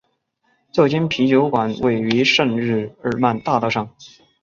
这间啤酒馆位于圣日耳曼大道上。